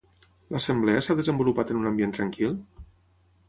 L'assemblea s'ha desenvolupat en un ambient tranquil?